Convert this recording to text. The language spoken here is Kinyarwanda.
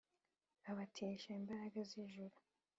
Abatirisha, imbaraga z'ijuru